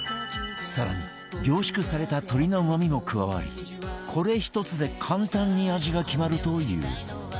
更に凝縮された鶏のうまみも加わりこれ１つで簡単に味が決まるという